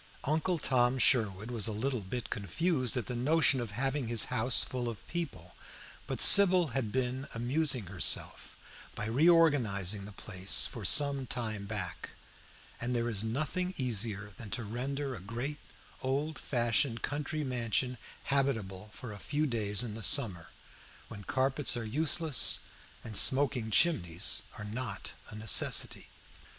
Uncle Tom Sherwood was a little confused at the notion of having his house full of people; but Sybil had been amusing herself by reorganizing the place for some time back, and there is nothing easier than to render a great old fashioned country mansion habitable for a few days in the summer, when carpets are useless and smoking chimneys are not a necessity.